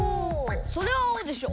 それはあおでしょ。